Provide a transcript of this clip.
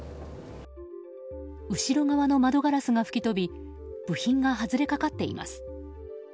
後ろ側の窓ガラスが吹き飛び部品が外れかかっています。